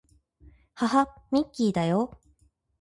はは、ミッキーだよ